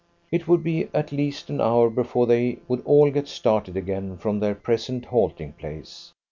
It would be at least an hour before they would all get started again from their present halting place.